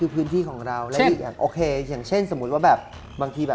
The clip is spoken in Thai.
คืนที่ของเรา